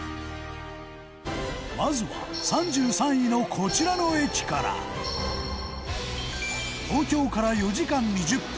まずは、３３位のこちらの駅から東京から４時間２０分